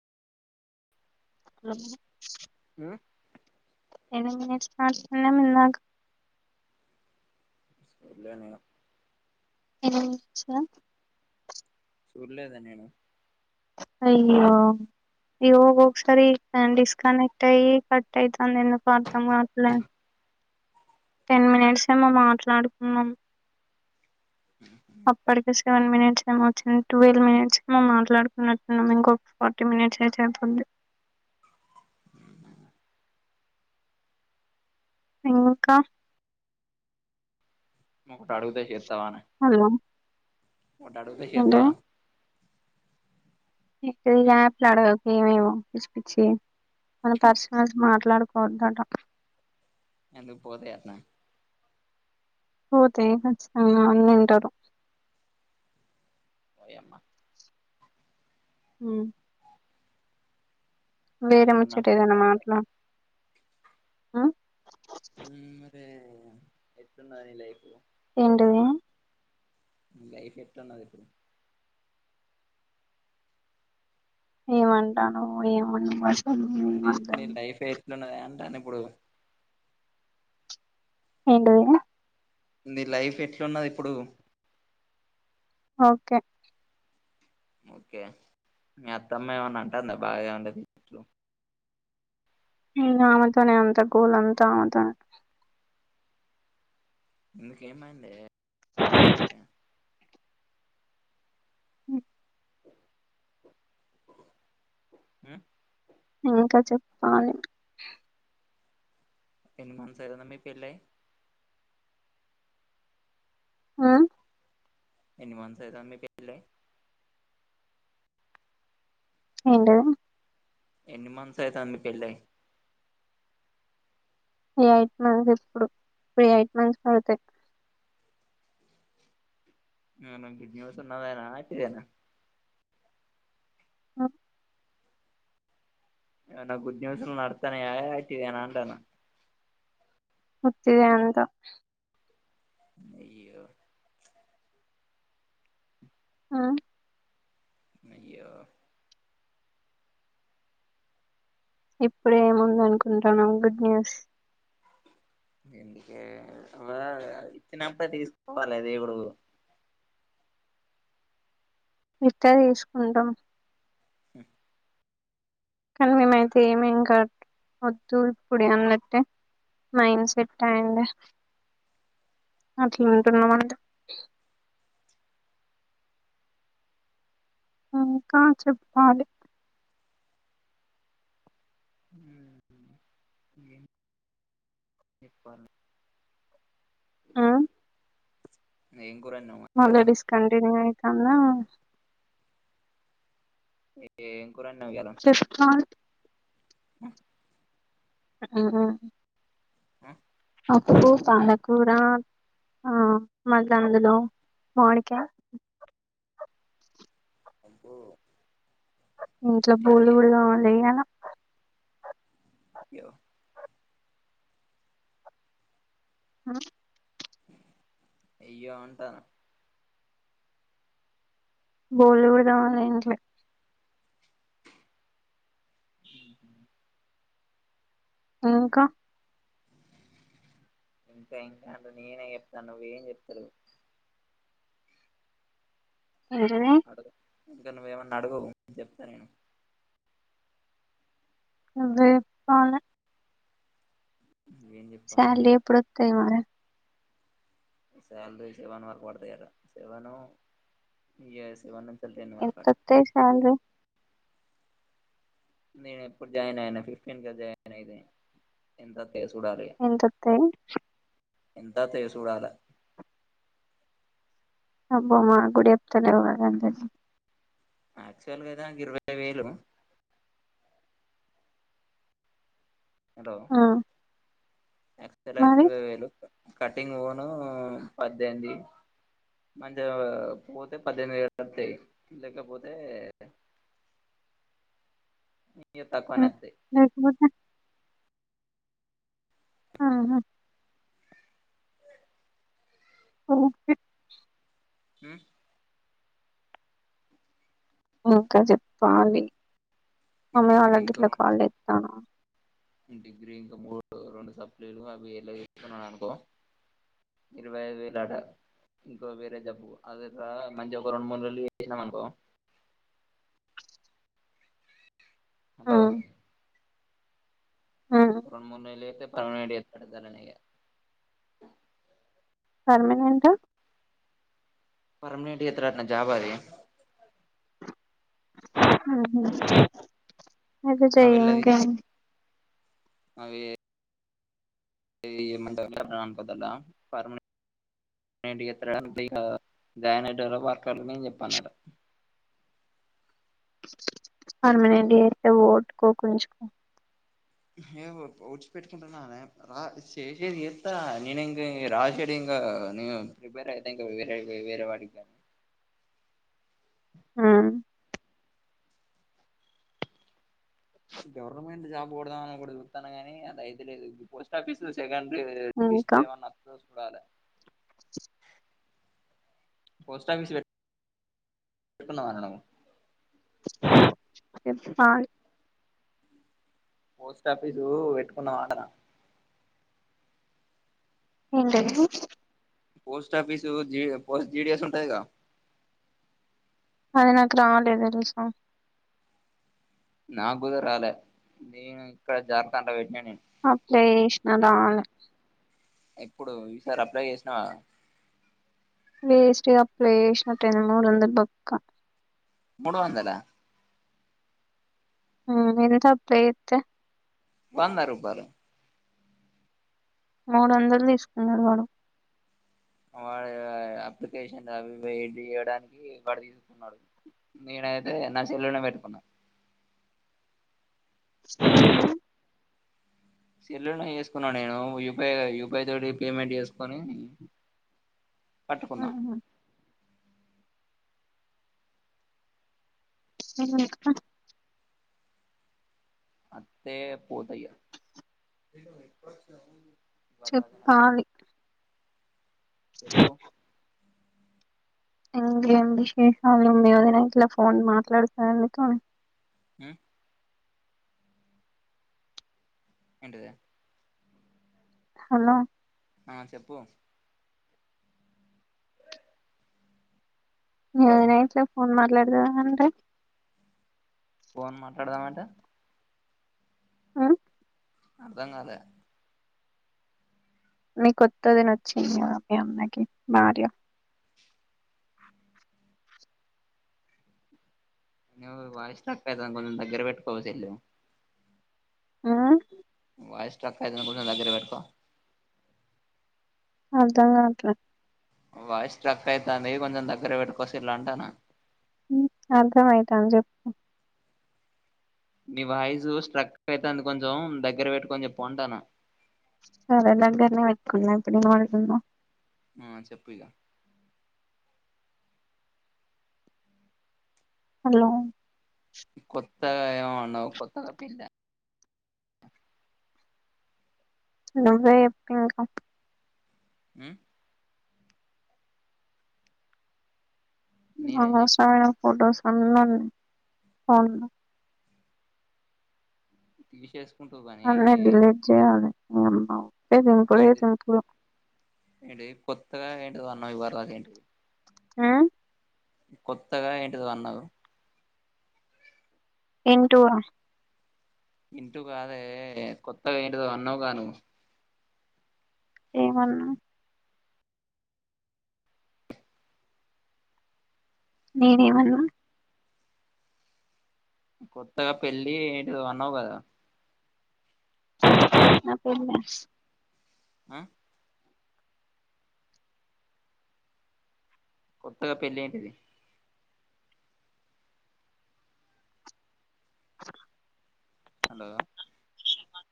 [inaudible] [inaudible] [unintelligible] [inaudible] అచ్చా సూర్లదన్నేను అయ్యో అయ్యో ఒకసారి డిస్కనెక్ట్ అయి కట్ అవుతుంది ఎందుకు అర్థం కాట్లే టెన్ మినిట్స్ ఏమో మాట్లాడుకున్నాం అప్పడకి సెవన్ మినిట్స్ వచ్చి ట్వెల్వ్ మినిట్స్ మనము మాట్లాడుకున్నట్టున్నాం ఇంకొక ఫార్టీ మినిట్స్ అయితే అయిపోతుంది ఇంకా ముకటి అడుగుతా చెప్తవ హలో ఒకటి అడుగుతా చేస్తావ ఇ పిల్ల అడగకు ఏమేమో పిచ్చిపిచ్చి మన పర్శత్ మాత్ర అలాడుకో అంతాంట ఎందుకు పోదేన్న పోతాయి ఖచ్చితంగా అన్నీ తింటారు ఓయి అమ్మా హుమ్ వేరే ఖాళీగా ఉన్నప్పుడు ముచ్చటేదేమన్నా పాట మాట్లాడు ఆ ఉహ్ మరి ఎట్టున్నది హెల్ప్ ఏంటది లైఫ్ ఎట్ ఉన్నది ఇప్పుడు ఏమంటాను ఏమో మర్స్ న నీ లైఫ్ ఎట్లున్నద అంట ఇప్పుడు ఏంటది నీ లైఫ్ ఎట్లున్నది ఇప్పుడు ఓకే ఓకే మీ అత్తమ్మ ఏమన్నా అంట అంద బాగా మీ ఇంట్లో ఆమెతోనే అంత గోల్ అంతా ఆమెతోనే ఇందుకు ఏమైందే ఉ ఉమ్ ఇంకా చెప్పుకోవాలి ఎన్ని మంత్స్ అయితాంది మీ పెళ్ళై ఆ ఎన్ని మంత్స్ అయితాంది మీ పెళ్ళై ఏంటి ఎన్ని మంతస్ అయితుంది పెళ్ళయి ఎయిట్ మంత్స్ ఇప్పుడు, ఎయిట్ మంత్స్ అవ్తయ్ ఆ ఏమైనా గుడ్ న్యూస్ ఉన్నవేనా ఐతనా ఆ ఏవన్నా గుడ్ న్యూస్ల్ నడత్నయా అంటైనా అంటన్నా ఉత్తిదే అంతా అయ్యో ఆ అయ్యో ఇప్పుడ ఏముందనుకుంటానావ్ గుడ్ న్యూస్ ఎందుకే అలాగ ఇచ్చినప్డే తీసుకోవాలే దేవుడు ఇత్తే తీసుకుంటాం ఉ కానీ మేమైతే ఏ మేం కా వొద్దు ఇప్పుడే అన్నట్టే మైండ్ సెట్ ఐంది అట్లుంటున్నాం అంతె ఇంకా చెప్పాలి ఏం చెప్పాలి ఆ ఏం కూర వండినావు మళ్ళా ఇయ్యాల డిస్ కంటిన్యూ అయ్ కన్నా, ఎ ఏ శషికాంత్ అ ఊహూ ఊ పప్పు పాలకూరా ఆ మల్ల అందులో మావ్డికాయ్ అబ్బో ఇంట్లో బోల్డ్ ఊళ్ళో వోల్లెయ్యాల యో ఆ అయ్యో అంటాన బోల్డు గూడ తోమాలా ఇంట్లో ఉహు ఇంకా ఇంకా, ఇంకా అంట నేనే చెప్తా నువ్వేం చెప్తలేవ్ ఎంటివీ? ఇంక నువ్వేమన్న అడుగు చెప్త నేను నువ్వే చెప్పాలే ఏం చెప్పాలనే స్యాలరి ఎప్పుడొత్తయ్ మరి? స్యాలరి సెవెన్ వరకు బడతయ్అట. సెవను ఇగ సెవన్ నుంచ్ ఎంతొత్తయ్ స్యాలరి నేను ఎప్పుడు జాయిన్ అయిన? ఫిఫ్టీన్ గద జాయిన్ ఐంది ఎంత ఎంతొత్తయ్? ఎంతా వత్తాయో చూడాలా అబ్బో మా గుడి అప్తనే ఒకండి యాచువలగా ఐతే నాకి ఇరవై వేలు హెలో ఆ యాక్స్ వల్ అయితే మరి ఇరవై వేలు క కట్టింగ్ పోనీ పద్దెనిమిది, మంచిగా పోతే పద్దెనిమిది వేల [unintelligible] వరకు ఒతాయి, లేకపోతే. ఈ తక్కువనే వస్తాయ్. లేకపోతే ఆహా. ఓకే. హ్మ్. ఇంకా, జెప్పాలి. ఈ ఆమే, డిగ్రీ ఇంకా వాళ్లేగిట్లా రెండు కాల్ చేత్తనా? డిగ్రీ ఇంకా రెండు సప్లీలూ. అవి ఎలాతెస్కున్నాను అనుకో, ఇరవై ఐదు వేలు ఆట. ఇంకా వేరే జాబ్ అది రా. మంచి జాబ్ రెండు మూడు నెలలు చేసినం అనుకో. హాల్లో. రెండు మూడు నెలలు అయితే పర్మనెంట్ చేత్తడు ఇద్దర్నీ ఇగ. పర్మనెంట్. పర్మినెంట్ చేస్తరటనా జాబ్ అది? ఊహూ. అయితె చేయ్, ఇంకేంటి? అవియే. అది ఏం అంటలే అంటలే రా. వద్దంటా, పర్మనెంట పర్మనెంట్ చేత్తరా. నువ్వే ఇక జాయిన్ అయేటోళ్లకి వర్క్ అల్లాట్‌మెంట్ నేన్ చెప్పాల్నంట.. పర్మినెంట్ చేస్తే పోగొట్టుకోకు, ఉంచుకో. హే, ఓర్పు ఓర్చిపెట్టుకుంటున్ననే రా. జేసేది చేత్తనా నేనే. ఇంగ రాసేది. ఇంగ నేన్ ఇప్పుడైనా ట్రై చేత్తా ఇంక వేరే వెరీ వాటికి గాని. ఆ. గవర్నమెంట్ జాబ్ కొడదాం అని ఒకటి జూత్తున్నా గాని, అంత అయితలేదు. ఈగ post office second. Pre [unintelligible] list ఇంకా ఏమైనా ఒత్తదో జూడాలి. పోస్ట్ ఆఫీస్ వెతు, పేతుకున్నవే నువ్వు. చెప్పాలి. పోస్ట్ ఆఫీసు వెట్టుకున్నవా అంటన్నా? ఏంటది? Post office GD post GDS ఉంటది గ. అది నాకు, రాలేదు ఈరోజు? నా గూడా రాలే? నేన్ ఇక్కడ జార్ఖండ్‌లో పెట్టిన నేన్. అప్లై జేశినా రాలే. ఎప్పుడు ఈసారి అప్లై జేశినవా? వేస్ట్‌గా అప్లై జేశినా, రెండు మూడు వందల భొక్క. మూడు వందలా? హ్మ్మ్మ్, ఎల్లేటప్పుడు ప్రే చేస్తా. వంద రూపాలు. మూడు వందల, తీస్కున్నడు వాడు. వాడు ఊ ఆ అప్లికేషన్ అవి ఇవి ఎడిట్ చేయడానికి వాడు తీస్కున్నడు. నేన్ అయితె నా సెల్లుల్నే పెట్టుకున్న. సరే [inaudible] నా. సెల్లుల్నే చేసుకున్నాను నేను. యూపీఐ యూపీఐతోటి పేమెంట్ చేసుకుని. కట్టుకున్న. ఏను [unintelligible] గన్ ఎక్క. అత్తే పోతయ్యా. వరదన చెప్పాలి. చెప్పు ఇంకేం విశేషాలు మీ వధదన గీట్లా ఫోన్ మాట్లాడుతారనీతోని హు ఏంట దే హలో ఆ చెప్పు మీ హలో వదిన గిట్ల ఫోన్ ఫోన్ మాట్ ఇలాంటి దా అంటే పోన్ మాట్లాడుదమంటే ఊ అర్ధంకాలే నీ కొత్త వదిన వచ్చింది కదా మీ అన్నకి భార్య నువ్వు వాయిస్ స్ట్రక్ అవుతుంది కొంచెం దగ్గర పెట్టుకోవె సెల్లు ఊ వాయిస్ స్ట్రక్ అవుతుంది కొంచం దగ్గరపెట్టుకో అర్ధం కావట్లేదు వాయిస్ స్ట్రక్ అయితాంది కొంచం దగ్గరపెట్టుకో సెల్లు అంటన్న ఊమ అర్థమైతాంది చెప్ప మీ వాయిసు స్ట్రక్ అయితాంది కొంచెం దగ్గర పెట్టుకొని చెప్పు అంటున్న సరే దగ్గరన పెట్టుకొన్న ఇప్పుడు వినపడుతుందా ఆ చెప్పు ఇగా హలో కొత్తగా ఏమన్నావ్ కొత్తగా పెళ్లి నువ్వే చెప్పు ఇంకా ఊ నేనేం చెప్పిన అవసరమైన ఫోటోస్ అన్ని ఉన్నాయి ఫోన్లో తీసేసు అన్ని డిలీట్ చేయాలి ఊకే దింపుడే ఏంటి దింపుడు ఏంటి కొత్తగా ఏంటిదో అన్నావ్ ఇదివరదాకా ఏంటది ఉమ్ కొత్తగా ఏంటిదో అన్నావ్ ఏంటో ఒ ఇంటూ కాదే కొత్తగా ఏందో అన్నావు గా నువ్వు ఏమన్నా నేను ఏమన్నా కొత్తగా పెళ్ళి ఏంటిదో అన్నావు కదా నా పెళ్లి హ ఆ కొత్తగా పెళ్లి ఏంటిది హలో